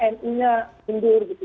mi nya mundur gitu